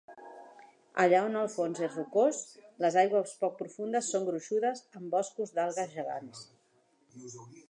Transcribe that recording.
Allà on el fons és rocós, les aigües poc profundes són gruixudes amb boscos d'algues gegants.